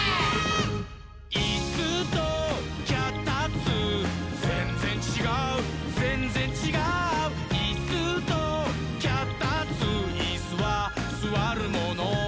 「いっすーときゃたっつーぜんぜんちがうぜんぜんちがう」「いっすーときゃたっつーイスはすわるもの」